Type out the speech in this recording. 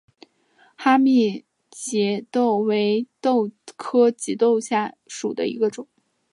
哈密棘豆为豆科棘豆属下的一个种。